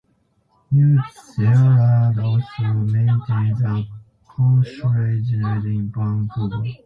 New Zealand also maintains a consulate-general in Vancouver.